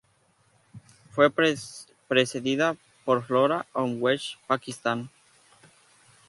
Fue precedida por "Flora of West Pakistan".